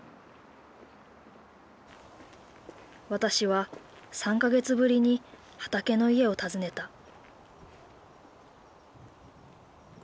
私は３か月ぶりにはたけのいえを訪ねた。